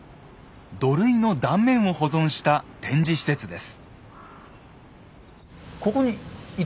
土塁の断面を保存した展示施設です。